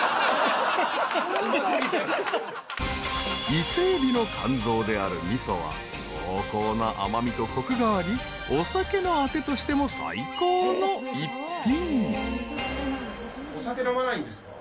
［伊勢エビの肝臓であるみそは濃厚な甘味とコクがありお酒のあてとしても最高の一品］